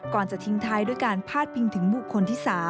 จะทิ้งท้ายด้วยการพาดพิงถึงบุคคลที่๓